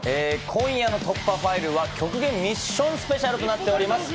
今夜の『突破ファイル』は極限ミッションスペシャルとなっております。